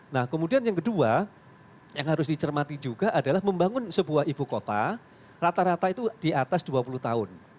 nah kemudian yang kedua yang harus dicermati juga adalah membangun sebuah ibu kota rata rata itu di atas dua puluh tahun